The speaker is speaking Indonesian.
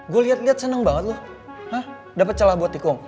gue liat liat seneng banget lo dapet kalah buat tikung